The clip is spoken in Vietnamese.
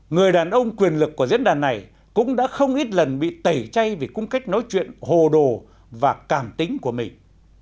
người đàn ông quyền lực của diễn đàn này cũng đã không ít lần bị tẩy chay vì cung cách nói chuyện hồ đồ và cảm tính của mình